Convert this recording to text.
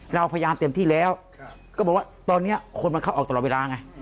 เราพยายามเต็มที่แล้วก็บอกว่าตอนนี้คนมันเข้าออกตลอดเวลาไง